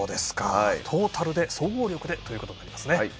トータル、総合力でということですね。